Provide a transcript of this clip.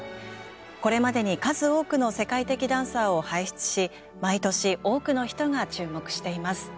これまでに数多くの世界的ダンサーを輩出し毎年多くの人が注目しています。